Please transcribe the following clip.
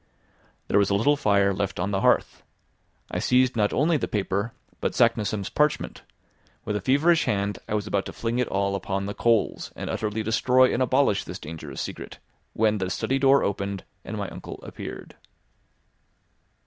There was a little fire left on the hearth. I seized not only the paper but Saknussemm's parchment; with a feverish hand I was about to fling it all upon the coals and utterly destroy and abolish this dangerous secret, when the study door opened, and my uncle appeared.